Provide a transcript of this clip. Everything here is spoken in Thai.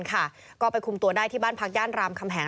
ก็ไปคุมตัวได้ที่บ้านพักย่านรามคำแหง